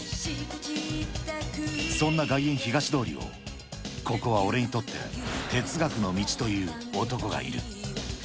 そんな外苑東通りを、ここは俺にとって哲学の道という男がいる。